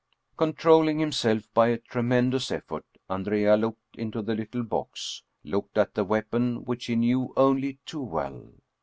Controlling himself by a tremendous effort, Andrea looked into the little box, looked at the weapon which he knew only too well.